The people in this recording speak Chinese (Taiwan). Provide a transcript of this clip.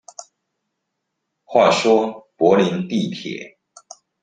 話說柏林地鐵